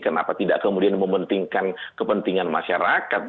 kenapa tidak kemudian mementingkan kepentingan masyarakat